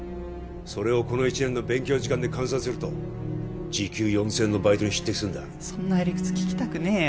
それをこの１年の勉強時間で換算すると時給４０００円のバイトに匹敵するんだそんな屁理屈聞きたくねえよ